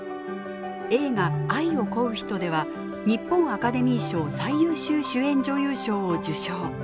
映画「愛を乞うひと」では日本アカデミー賞最優秀主演女優賞を受賞。